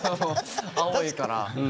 青いから。